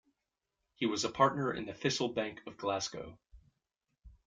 He was a partner in the Thistle Bank of Glasgow.